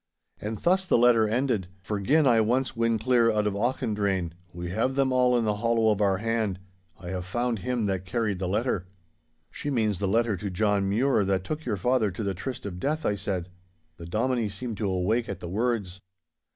And thus the letter ended: '"_For gin I once win clear out of Auchendrayne, we have them all in the hollow of our hand, I have found him that carried the letter_."' 'She means the letter to John Mure that took your father to the tryst of death,' I said. The Dominie seemed to awake at the words.